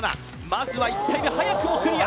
まずは１体目早くもクリア